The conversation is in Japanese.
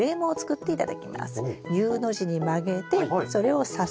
Ｕの字に曲げてそれをさす。